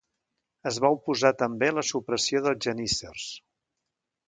Es va oposar també a la supressió dels geníssers.